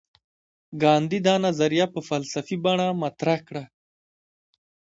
ګاندي دا نظریه په فلسفي بڼه مطرح کړه.